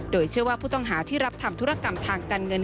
โดยเชื่อว่าผู้ต้องหาที่รับทำธุรกรรมทางการเงิน